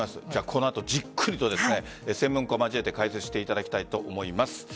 この後じっくりと専門家を交えて解説していただきたいと思います。